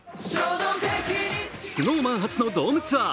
ＳｎｏｗＭａｎ初のドームツアー。